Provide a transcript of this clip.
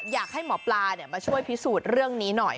อยากให้หมอปลามาช่วยพิสูจน์เรื่องนี้หน่อย